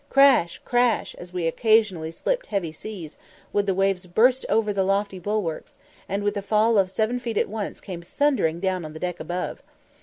Crash! crash! as we occasionally shipped heavy seas, would the waves burst over the lofty bulwarks, and with a fall of seven feet at once come thundering down on the deck above.